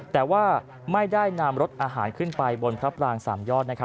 แต่ว่าไม่ได้นำรถอาหารขึ้นไปบนพระปราง๓ยอด